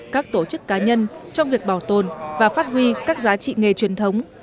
các tổ chức cá nhân trong việc bảo tồn và phát huy các giá trị nghề truyền thống